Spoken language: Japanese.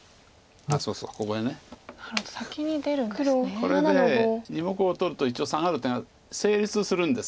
これで２目を取ると一応サガる手が成立するんです。